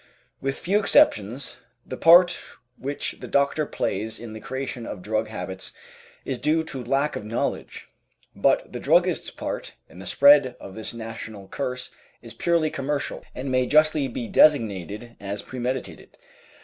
With few exceptions, the part which the doctor plays in the creation of drug habits is due to lack of knowledge; but the druggist's part in the spread of this national curse is purely commercial, and may justly be designated as premeditated.